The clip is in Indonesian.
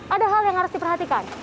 ada hal yang harus diperhatikan